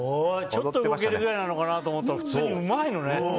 ちょっと動けるぐらいなのかなと思ったら普通にうまいのね。